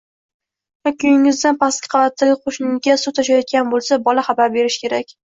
yoki uyingizdan pastki qavatdagi qo‘shninikiga suv toshayotgan bo‘lsa bola xabar berishi kerak.